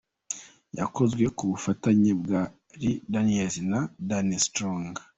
Yakozwe ku bufatanye bwa Lee Daniels na Danny Strong.